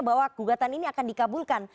bahwa gugatan ini akan dikabulkan